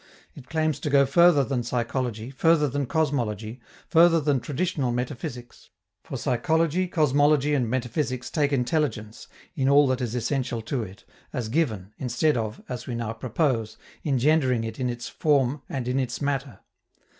It claims to go further than psychology, further than cosmology, further than traditional metaphysics; for psychology, cosmology and metaphysics take intelligence, in all that is essential to it, as given, instead of, as we now propose, engendering it in its form and in its matter.